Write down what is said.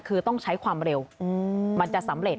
คือต้องใช้ความเร็วมันจะสำเร็จ